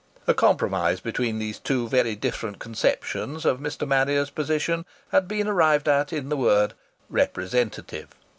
A compromise between these two very different conceptions of Mr. Marrier's position had been arrived at in the word "representative."